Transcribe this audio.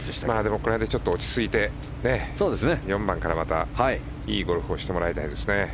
これはちょっと落ち着いて４番から、またいいゴルフをしてもらいたいですね。